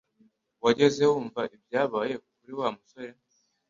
Wigeze wumva ibyabaye kuri Wa musore